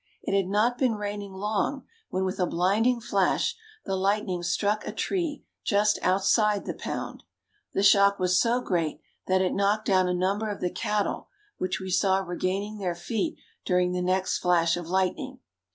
It had not been raining long when with a blinding flash the lightning struck a tree just outside the "pound." The shock was so great that it knocked down a number of the cattle, which we saw regaining their feet during the next flash of lightning.